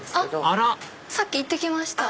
あらさっき行って来ました。